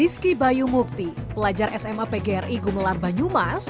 rizky bayu mukti pelajar sma pgri gumelar banyumas